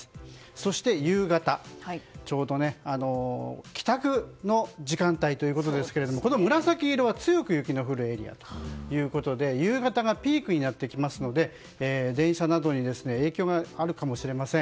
そして夕方、ちょうど帰宅の時間帯ということですが紫色は強く雪の降るエリアということで夕方がピークになってきますので電車などに影響があるかもしれません。